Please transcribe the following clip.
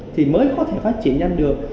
thì mới có thể phát triển nhanh được